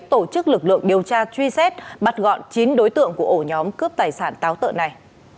tổ chức lực lượng điều tra truy xét bắt gọn chín đối tượng của ổ nhóm cướp tài sản táo tợn này